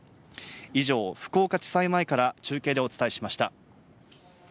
以上、福岡地裁前から中継でお伝えしました。